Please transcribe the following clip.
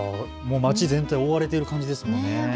町全体が覆われている感じですね。